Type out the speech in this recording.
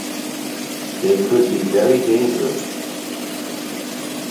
They could be very dangerous.